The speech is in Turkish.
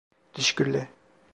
Teşekkürler